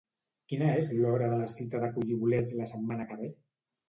Quina és l'hora de la cita de collir bolets la setmana que ve?